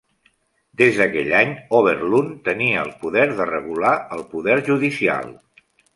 Des d'aquell any, Overloon tenia el poder de regular el poder judicial.